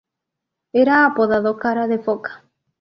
Era apodado "Cara de foca".